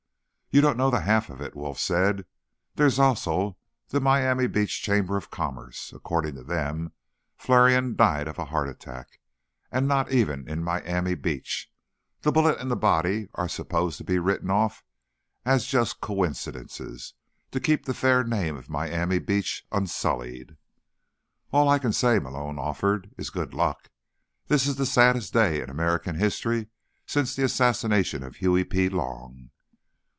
"You don't know the half of it," Wolf said. "There's also the Miami Beach Chamber of Commerce. According to them, Flarion died of a heart attack, and not even in Miami Beach. The bullet and the body are supposed to be written off as just coincidences, to keep the fair name of Miami Beach unsullied." "All I can say," Malone offered, "is good luck. This is the saddest day in American history since the assassination of Huey P. Long."